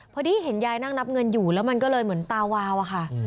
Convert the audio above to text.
พอดีเห็นยายนั่งนับเงินอยู่แล้วมันก็เลยเหมือนตาวาวอะค่ะ